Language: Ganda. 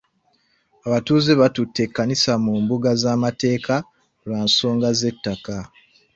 Abatuuze batutte ekkanisa mu mbuga z'amateeka lwa nsonga z'ettaka.